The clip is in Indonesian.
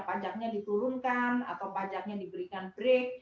pajaknya diturunkan atau pajaknya diberikan break